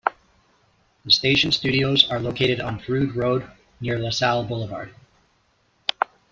The station's studios are located on Frood Road, near Lasalle Boulevard.